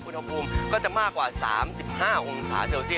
พุทธภูมิก็จะมากกว่าสามสิบห้าองศาเจลสี่